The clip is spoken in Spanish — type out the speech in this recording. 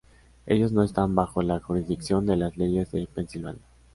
Ellos no están bajo la jurisdicción de las leyes de Pensilvania.